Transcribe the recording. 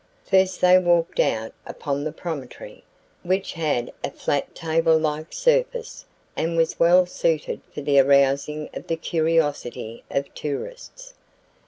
First they walked out upon the promontory, which had a flat table like surface and was well suited for the arousing of the curiosity of tourists.